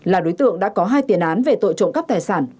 là đối tượng đã có hai tiền án về tội trộm cắp tài sản